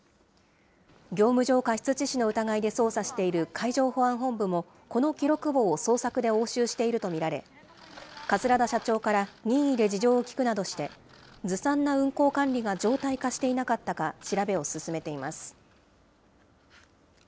業務上過失致死の疑いで捜査している海上保安本部も、この記録簿を捜索で押収していると見られ、桂田社長から任意で事情を聴くなどして、ずさんな運航管理が常態化していなかったか、調べを進めています。